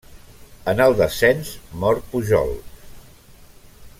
En el descens mor Pujol.